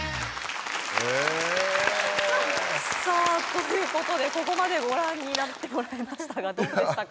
へえさあということでここまでご覧になってもらいましたがどうでしたか？